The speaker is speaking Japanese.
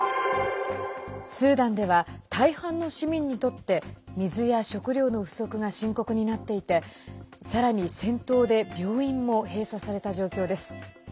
スーダンでは大半の市民にとって水や食料の不足が深刻になっていてさらに戦闘で病院も閉鎖された状況です。